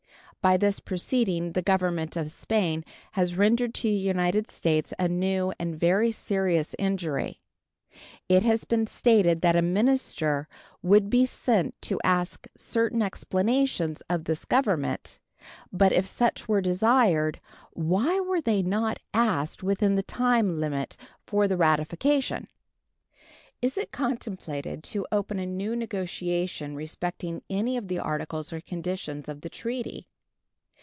By this proceeding the Government of Spain has rendered to the United States a new and very serious injury. It has been stated that a minister would be sent to ask certain explanations of this Government; but if such were desired, why were they not asked within the time limited for the ratification? Is it contemplated to open a new negotiation respecting any of the articles or conditions of the treaty?